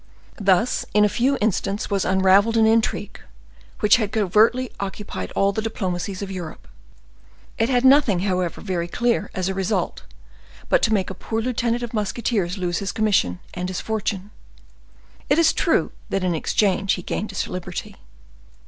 Thus in a few instants was unraveled an intrigue which had covertly occupied all the diplomacies of Europe. It had nothing, however, very clear as a result, but to make a poor lieutenant of musketeers lose his commission and his fortune. It is true, that in exchange he gained his liberty.